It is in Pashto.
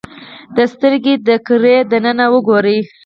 د سترګې د کرې دننه وګورئ.